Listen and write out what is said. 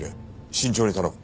慎重に頼む。